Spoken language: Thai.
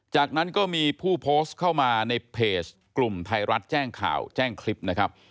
จากนั้นก็มีผู้โพสต์เข้ามาในเพจกลุ่มไทยรัฐแจ้งข่าวแจ้งคลิปนะครับ